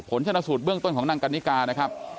ชนะสูตรเบื้องต้นของนางกันนิกานะครับ